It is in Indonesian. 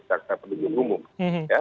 cakta penduduk umum